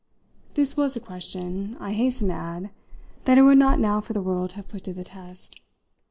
This was a question, I hasten to add, that I would not now for the world have put to the test.